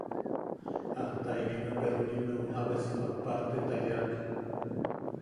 Ajta inime peronimmeu jabesumak parteta yaak.